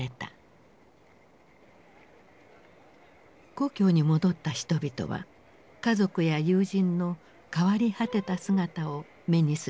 故郷に戻った人々は家族や友人の変わり果てた姿を目にすることになった。